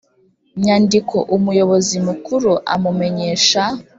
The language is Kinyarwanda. Nyandiko umuyobozi mukuru amumenyesha